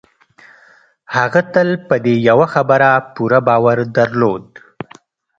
هغه تل په دې يوه خبره پوره باور درلود.